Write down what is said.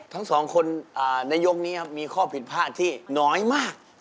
ทั้งสองคนในยกนี้โค้งผิดพลาดน้อยมาก